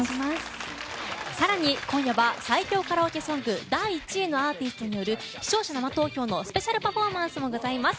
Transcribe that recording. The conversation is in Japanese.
更に今夜は最強カラオケソング第１位のアーティストによる視聴者生投票のスペシャルパフォーマンスもございます。